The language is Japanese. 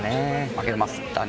負けましたね。